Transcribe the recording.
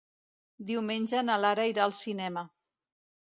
Diumenge na Lara irà al cinema.